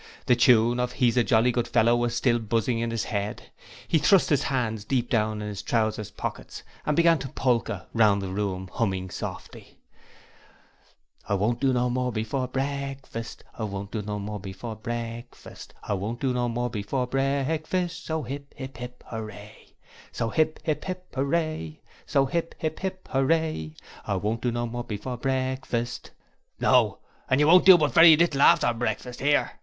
The tune of 'He's a jolly good fellow' was still buzzing in his head; he thrust his hands deep down in his trouser pockets, and began to polka round the room, humming softly: 'I won't do no more before breakfast! I won't do no more before breakfast! I won't do no more before breakfast! So 'ip 'ip 'ip 'ooray! So 'ip 'ip 'ip 'ooray So 'ip 'ip 'ooray! I won't do no more before breakfast etc.' 'No! and you won't do but very little after breakfast, here!'